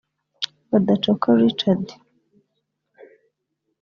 Badacoka Richard